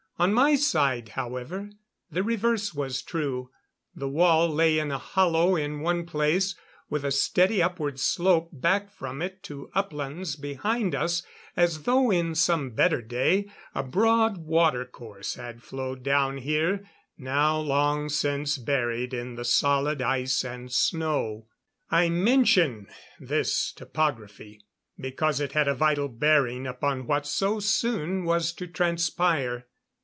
On my side, however, the reverse was true. The wall lay in a hollow in one place, with a steady upward slope back from it to uplands behind us, as though in some better day a broad watercourse had flowed down here, now long since buried in solid ice and snow. I mention this topography because it had a vital bearing upon what so soon was to transpire.